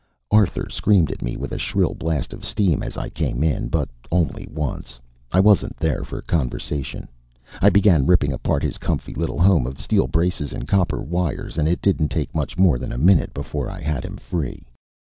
Arthur screamed at me with a shrill blast of steam as I came in. But only once. I wasn't there for conversation. I began ripping apart his comfy little home of steel braces and copper wires, and it didn't take much more than a minute before I had him free.